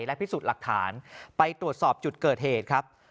และพิสูจน์หลักฐานไปตรวจสอบจุดเกิดเหตุครับ